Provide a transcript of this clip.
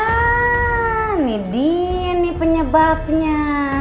ah nih dia nih penyebabnya